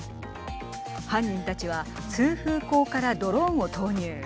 犯人たちは通風口からドローンを投入。